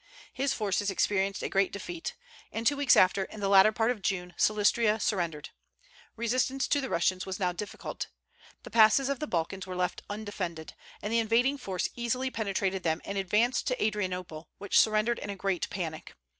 His forces experienced a great defeat; and two weeks after, in the latter part of June, Silistria surrendered. Resistance to the Russians was now difficult. The passes of the Balkans were left undefended, and the invading force easily penetrated them and advanced to Adrianople, which surrendered in a great panic.